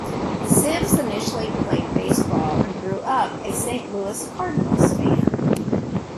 Sims initially played baseball and grew up a Saint Louis Cardinals fan.